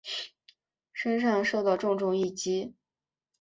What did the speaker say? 身上受到重重一击